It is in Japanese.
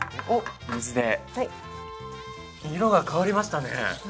色が変わりましたね。